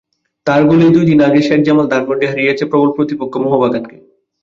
তাঁর গোলেই দুই দিন আগে শেখ জামাল ধানমন্ডি হারিয়েছে প্রবল প্রতিপক্ষ মোহনবাগানকে।